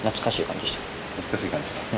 懐かしい感じでしたよ。